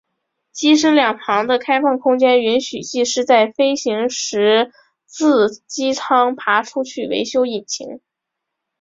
机身两旁的开放空间允许技师在飞行时自机舱爬出去维修引擎。